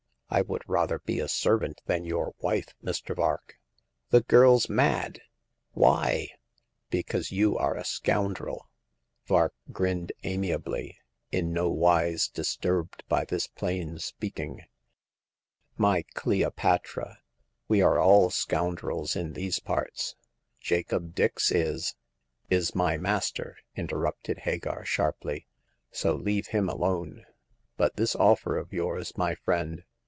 I would rather be a servant than your wife, Mr. Vark." "' The girrs mad ! Why ?''" Because you are a scoundrel." Vark grinned amiably, in no wise disturbed by The Coming of Hagar. 23 this plain speaking. " My Cleopatra, we are all scoundrels in these parts. Jacob Dix is " "Is my master !" interrupted Hagar, sharply. So leave him alone. But this offer of yours, my friend.